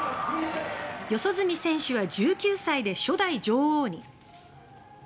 四十住選手は１９歳で初代女王に。